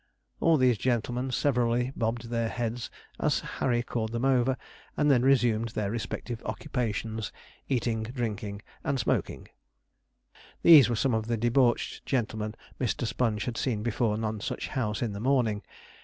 All these gentlemen severally bobbed their heads as Sir Harry called them over, and then resumed their respective occupations eating, drinking, and smoking. These were some of the debauched gentlemen Mr. Sponge had seen before Nonsuch House in the morning.